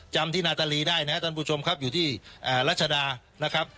จำที่นาตาลีได้นะครับท่านผู้ชมครับอยู่ที่รัชดานะครับ